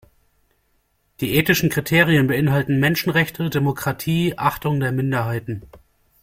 Die ethischen Kriterien beinhalten Menschenrechte, Demokratie, Achtung der Minderheiten.